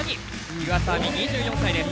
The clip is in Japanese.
湯浅亜実２４歳です。